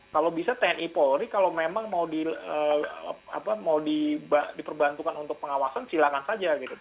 kalau bisa tni polri kalau memang mau diperbantukan untuk pengawasan silakan saja gitu